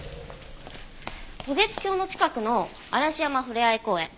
渡月橋の近くの嵐山ふれあい公園。